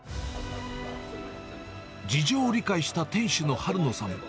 事情を理解した店主の春野さん。